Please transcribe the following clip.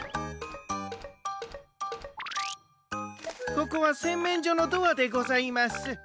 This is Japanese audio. ここはせんめんじょのドアでございます。